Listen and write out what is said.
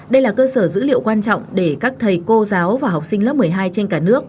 đây là cơ sở dữ liệu quan trọng để các thầy cô giáo và học sinh lớp một mươi hai trên cả nước